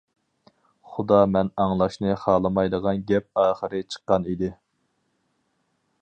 خۇدا مەن ئاڭلاشنى خالىمايدىغان گەپ ئاخىرى چىققان ئىدى.